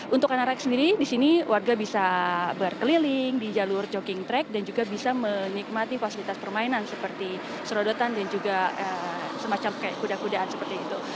untuk anak anak sendiri di sini warga bisa berkeliling di jalur jogging track dan juga bisa menikmati fasilitas permainan seperti serodotan dan juga semacam kayak kuda kudaan seperti itu